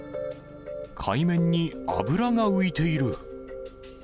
海面に油が浮いている。